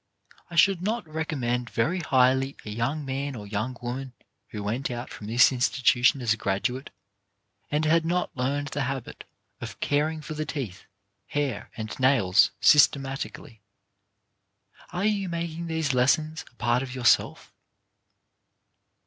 I should not recommend very highly a young man or young woman who went 176 CHARACTER BUILDING out from this institution as a graduate, and had not learned the habit of caring for the teeth, hair and nails systematically. Are you making these lessons a part of yourself